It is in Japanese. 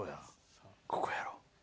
ここやろ。